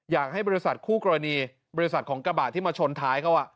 อยากให้บริษัทคู่กรณีบริษัทของกระบะที่มาชนท้ายเขา